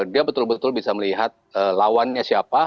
dia betul betul bisa melihat lawannya siapa